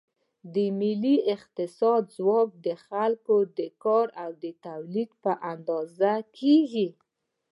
د ملي اقتصاد ځواک د خلکو د کار او تولید په اندازه کېږي.